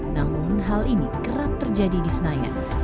namun hal ini kerap terjadi di senayan